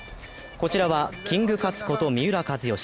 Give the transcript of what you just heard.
こちらはキングカズこと三浦知良。